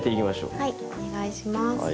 はいお願いします。